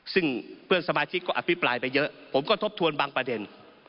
ซึ่งเพื่อนสมาชิกก็อภิปรายไปเยอะผมก็ทบทวนบางประเด็น